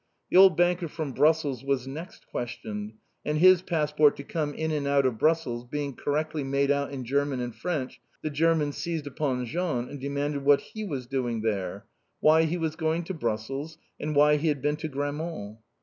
The old banker from Brussels was next questioned, and his passport to come in and out of Brussels being correctly made out in German and French, the Germans seized upon Jean and demanded what he was doing there, why he was going to Brussels, and why he had been to Grammont.